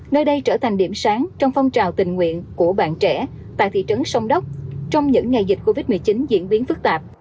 nơi đây trở thành điểm sáng trong phong trào tình nguyện của bạn trẻ tại thị trấn sông đốc trong những ngày dịch covid một mươi chín diễn biến phức tạp